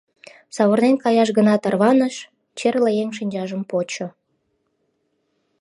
Савырнен каяш гына тарваныш — черле еҥ шинчажым почо.